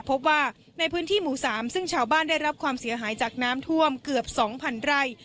พบว่าในพื้นที่หมู่๓ซึ่งชาวบ้านได้รับความเสียหายจากน้ำท่วมเกือบ๒๐๐๐ไร่